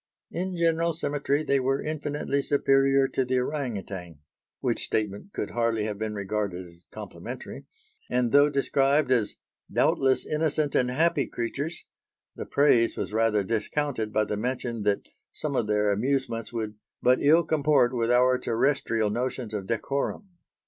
"In general symmetry they were infinitely superior to the orang outang" which statement could hardly have been regarded as complimentary; and, though described as "doubtless innocent and happy creatures," the praise was rather discounted by the mention that some of their amusements would "but ill comport with our terrestrial notions of decorum."